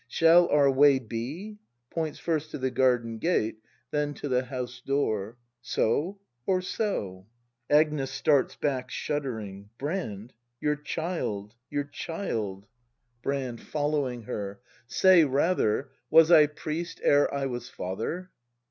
] Shall our way be [Foints first to the garden gate, then to the house door :\ So ?— or so ? Agnes. [Starts hack shuddering.] Brand, your child, — your child! 150 BRAND [act hi Brand. [Following her.] Say rather: Was I priest ere I was father?